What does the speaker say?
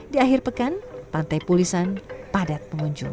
di akhir pekan pantai pulisan padat pengunjung